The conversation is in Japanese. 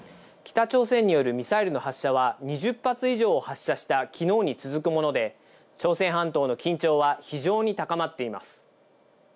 北朝鮮によるミサイルの発射は２０発以上を発射した昨日に続くもので、朝鮮半島の緊張は非常に高まっています。